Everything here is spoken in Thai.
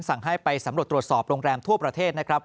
สั่งให้ไปสำรวจตรวจสอบโรงแรมทั่วประเทศนะครับ